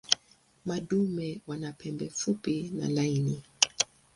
Madume wana pembe fupi na laini.